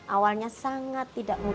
awalnya sangat tidak mudah